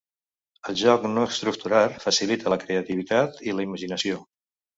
El joc no estructurar facilita la creativitat i la imaginació.